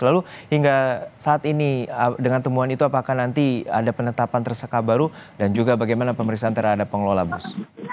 lalu hingga saat ini dengan temuan itu apakah nanti ada penetapan tersangka baru dan juga bagaimana pemeriksaan terhadap pengelola bus